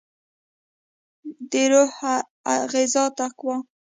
دروح غذا تقوا